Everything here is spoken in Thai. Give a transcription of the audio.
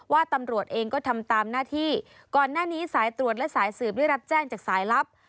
ว่าตำรวจเองก็ทำตามหน้าที่ก่อนหน้านี้สายตรวจและสายสืบได้รับแจ้งจากสายลับ